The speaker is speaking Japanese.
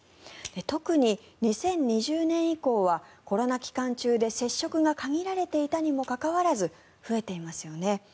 特に２０２０年以降はコロナ期間中で接触が限られていたにもかかわらず増えていますよね。